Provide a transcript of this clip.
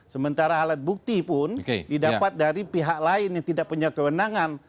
sementara alat bukti pun didapat dari pihak lain yang tidak punya kewenangan